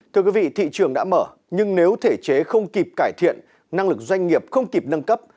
thưa quý vị thị trường đã mở nhưng nếu thể chế không kịp cải thiện năng lực doanh nghiệp không kịp nâng cấp